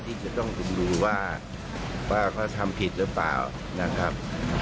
ที่จะต้องดูว่าเขาทำผิดหรือเปล่านะครับ